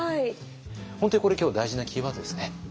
本当にこれ今日大事なキーワードですね。